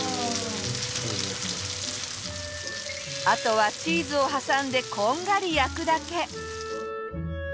あとはチーズを挟んでこんがり焼くだけ。